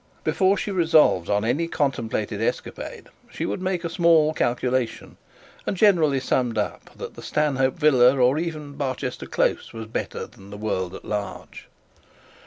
Before she resolved on any contemplated escapade she would make a small calculation, and generally summed up that the Stanhope villa or even Barchester close was better than the world at large.